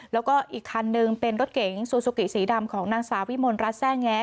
แล้วก็อีกคันนึงเป็นรถเก๋งซูซูกิสีดำของนางสาววิมลรัฐแซ่แง้